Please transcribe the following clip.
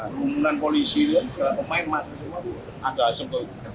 rumunan polisi pemain masuk ada asetnya